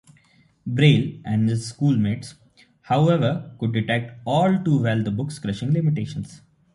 Braille and his schoolmates, however, could detect all too well the books' crushing limitations.